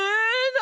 何？